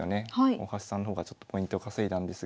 大橋さんの方がちょっとポイントを稼いだんですが。